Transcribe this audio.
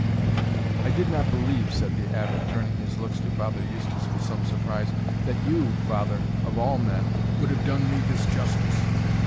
"I did not believe," said the Abbot, turning his looks to Father Eustace with some surprise, "that you, father, of all men, would have done me this justice."